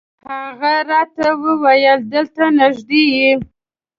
هغه راته وویل دلته نږدې.